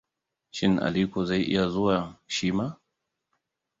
Shin Aliko zai iya zuwa, shima?